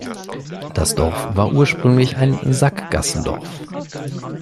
Das Dorf war ursprünglich ein Sackgassendorf.